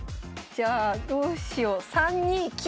じゃあどうしよう３二金。